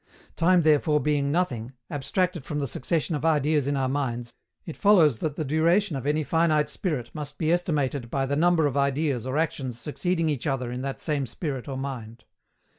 Time therefore being nothing, abstracted from the sucession of ideas in our minds, it follows that the duration of any finite spirit must be estimated by the number of ideas or actions succeeding each other in that same spirit or mind.